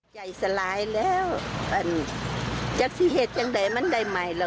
ใจสลายแล้วจากที่เหตุจังใดมันได้ไหมล่ะ